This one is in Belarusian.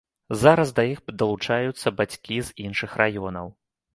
Зараз да іх далучаюцца бацькі з іншых раёнаў.